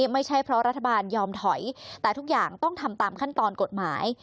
ไม่ใช่เพราะรัฐบาลยอมถอยแต่ทุกอย่างต้องทำตามขั้นตอนกฎหมาย